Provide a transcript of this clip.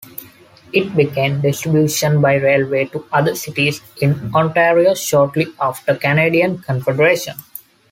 It began distribution by railway to other cities in Ontario shortly after Canadian Confederation.